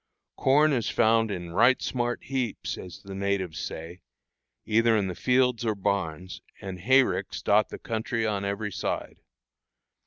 Corn is found in "right smart heaps," as the natives say, either in the fields or barns, and hayricks dot the country on every side.